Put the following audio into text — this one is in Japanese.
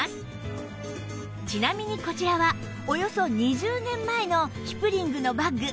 ちなみにこちらはおよそ２０年前のキプリングのバッグ